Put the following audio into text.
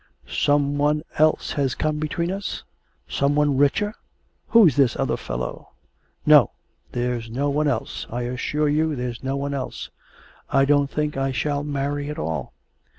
'Some one else has come between us? Some one richer. Who's this other fellow?' 'No; there's no one else. I assure you there's no one else. I don't think I shall marry at all.